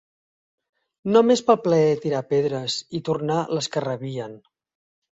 No més pel pler de tirar pedres i tornar les que rebien.